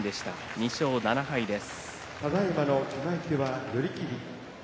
２勝７敗です。